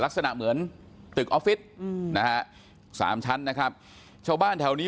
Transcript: ลักษณะเหมือนตึกออฟฟิศนะฮะสามชั้นนะครับชาวบ้านแถวนี้